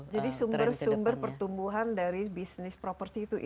jadi sumber sumber pertumbuhan dari bisnis properti itu ya